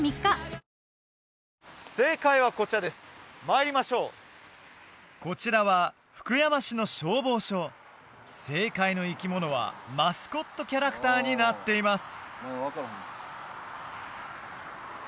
参りましょうこちらは福山市の消防署正解の生き物はマスコットキャラクターになっています